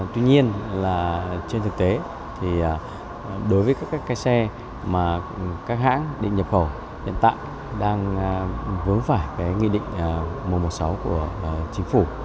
tuy nhiên trên thực tế đối với các cái xe mà các hãng định nhập khẩu hiện tại đang vướng phải cái nghị định mùa một sáu của chính phủ